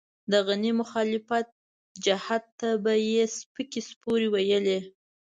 د غني مخالف جهت ته به يې سپکې سپورې ويلې.